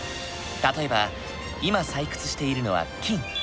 例えば今採掘しているのは金。